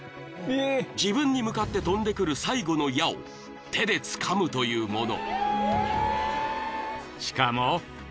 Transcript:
［自分に向かって飛んでくる最後の矢を手でつかむというもの］